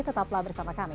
tetaplah bersama kami